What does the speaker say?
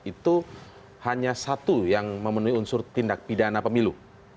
itu hanya satu yang memenuhi unsur tindak pidana pemilu